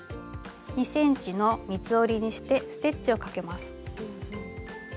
２ｃｍの三つ折りにしてステッチをかけます。